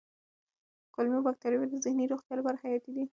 کولمو بکتریاوې د ذهني روغتیا لپاره حیاتي دي.